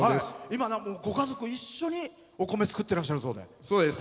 今、ご家族一緒にお米作ってらっしゃるそうで。